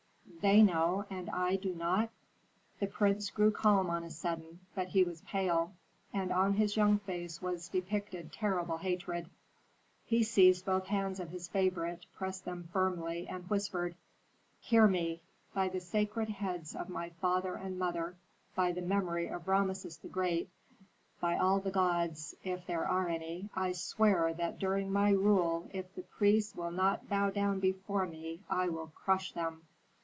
"They know, and I do not." The prince grew calm on a sudden, but he was pale, and on his young face was depicted terrible hatred. He seized both hands of his favorite, pressed them firmly, and whispered, "Hear me! By the sacred heads of my father and mother, by the memory of Rameses the Great by all the gods, if there are any, I swear that during my rule if the priests will not bow down before me I will crush them."